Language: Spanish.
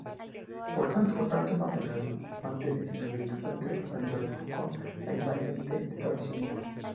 Por último, tanto manteles y servilletas pueden ser personalizados con la imagen del establecimiento.